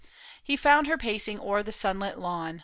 He found her pacing o'er the sunlit lawn.